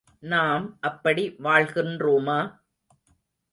நாம் அப்படி வாழ்கின்றோமா?